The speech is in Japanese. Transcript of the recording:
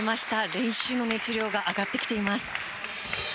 練習の熱量が上がってきています。